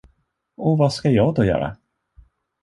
Och vad skall jag då göra?